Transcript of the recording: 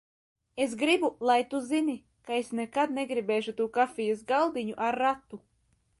Es gribu, lai tu zini, ka es nekad negribēšu to kafijas galdiņu ar ratu.